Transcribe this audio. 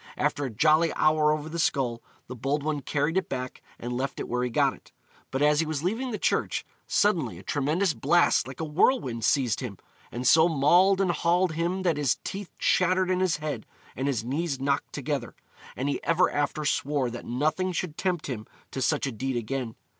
After a jolly hour over the skull, the bold one carried it back and left it where he got it; but as he was leaving the church, suddenly a tremendous blast like a whirlwind seized him, and so mauled and hauled him that his teeth chattered in his head and his knees knocked together, and he ever after swore that nothing should tempt him to such a deed again.